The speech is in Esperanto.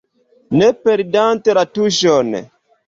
Ne perdante la tuŝon.